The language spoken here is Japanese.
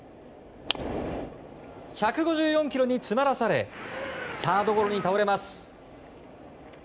１５４キロに詰まらされサードゴロに倒れます。